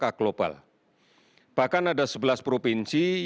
yang angka kematiannya di bawah empat enam puluh sembilan persen di bawah angka global